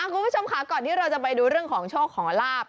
คุณผู้ชมค่ะก่อนที่เราจะไปดูเรื่องของโชคขอลาบ